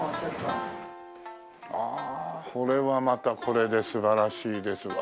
ああこれはまたこれで素晴らしいですわ。